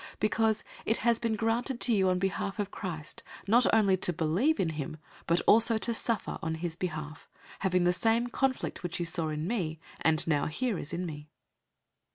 001:029 Because it has been granted to you on behalf of Christ, not only to believe in him, but also to suffer on his behalf, 001:030 having the same conflict which you saw in me, and now hear is in me.